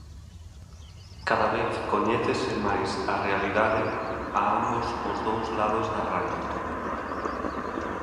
Cada vez coñécese máis a realidade a ambos os dous lados da raia.